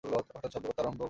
হঠাৎ শব্দ করতে আরম্ভ করলো।